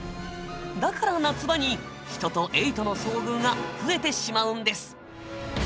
だから夏場に人とエイとの遭遇が増えてしまうんです。